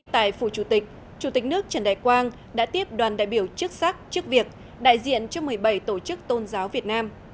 tại phủ chủ tịch chủ tịch nước trần đại quang đã tiếp đoàn đại biểu chức sắc chức việc đại diện cho một mươi bảy tổ chức tôn giáo việt nam